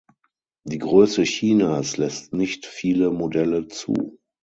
Die Größe Chinas lässt nicht viele Modelle zu.